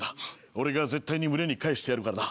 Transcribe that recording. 俺が絶対に群れに返してやるからな。